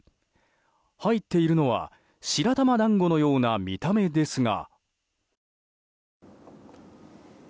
入っているのは白玉団子のような見た目ですが。